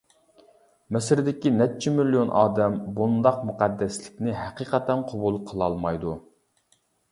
مىسىردىكى نەچچە مىليون ئادەم بۇنداق مۇقەددەسلىكىنى ھەقىقەتەن قوبۇل قىلالمايدۇ.